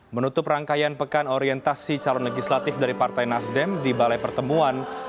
menutup rangkaian pekan orientasi calon legislatif dari partai nasdem di balai pertemuan